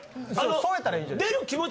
添えたらいいじゃないですか。